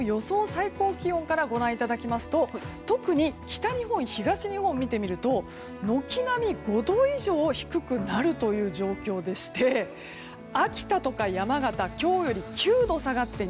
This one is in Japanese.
最高気温からご覧いただきますと特に北日本、東日本を見てみると軒並み５度以上低くなるという状況でして秋田や山形は今日より９度下がって